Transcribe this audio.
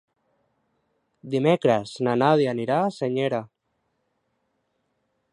Dimecres na Nàdia anirà a Senyera.